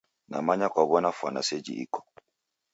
Namanya kwaw'ona fwana seji iko.